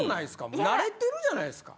もう慣れてるじゃないですか。